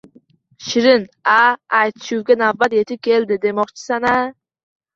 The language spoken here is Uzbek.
Shirin: Aaa, aytishuvga navbat yetib keldi demoqchisan-a?